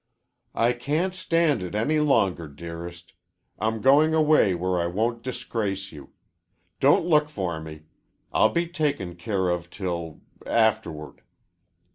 I can't stand it any longer, dearest. I'm going away where I won't disgrace you. Don't look for me. I'll be taken care of till afterward.